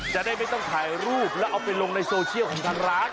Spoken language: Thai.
จะได้ไม่ต้องถ่ายรูปแล้วเอาไปลงในโซเชียลของทางร้าน